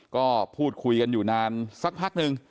ก็พูดคุยกันอยู่นานสักพักนึง